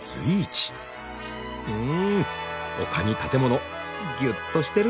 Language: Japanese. うん丘に建物ギュッとしてる。